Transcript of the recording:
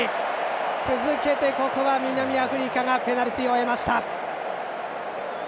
続けて、ここは南アフリカがペナルティーを得ました。